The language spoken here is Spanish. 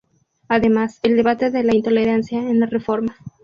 Además, el debate de la intolerancia en la Reforma.